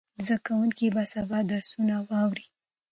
زده کوونکي به سبا درسونه واوري.